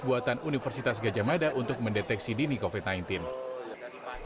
buatan universitas gajah mada untuk mendeteksi dini covid sembilan belas